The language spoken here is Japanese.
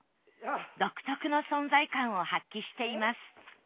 独特の存在感を発揮しています